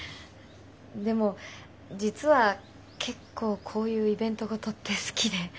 でも実は結構こういうイベント事って好きで。